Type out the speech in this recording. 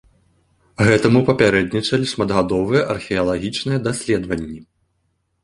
Гэтаму папярэднічалі шматгадовыя археалагічныя даследаванні.